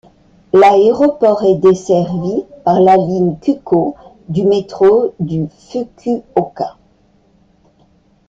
L'aéroport est desservi par la ligne Kūkō du métro de Fukuoka.